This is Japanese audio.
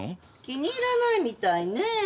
気に入らないみたいねえ。